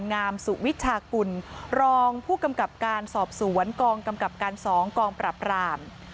งามสุวิชากุลรองผู้กำกับการสอบสวนกองกำกับการ๒กองปรับราม